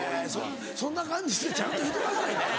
そんな感じってちゃんと言ってくださいね。